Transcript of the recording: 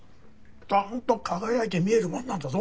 ちゃんと輝いて見えるもんなんだぞ。